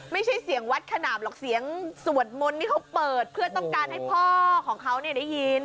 ไม่ใช่เสียงวัดขนามหรอกเสียงสวดมนต์ที่เขาเปิดเพื่อต้องการให้พ่อของเขาได้ยิน